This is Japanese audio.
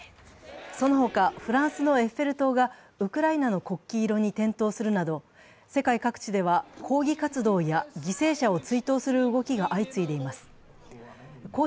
そのほかフランスのエッフェル塔がウクライナの国旗色に点灯するなど世界各地では抗議活動や犠牲者を追悼する動きが相次いでいます。